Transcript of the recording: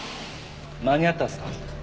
間に合ったんすか？